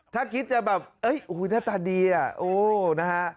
ถ้าคิดจะแบบนาฬาดีน่ะ